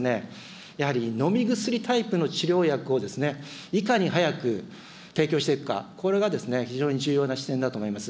やはり、飲み薬タイプの治療薬を、いかに早く提供していくか、これが非常に重要な視点だと思います。